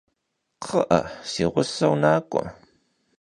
Kxhı'e, si ğuseu nak'ue!